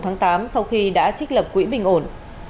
ngày một một tám sau khi đã trích lập quỹ bình ổn